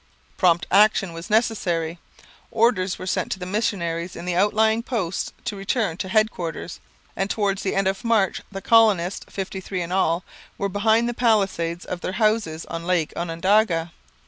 Prompt action was necessary. Orders were sent to the missionaries in the outlying points to return to headquarters, and towards the end of March the colonists, fifty three in all, were behind the palisades of their houses on Lake Onondaga.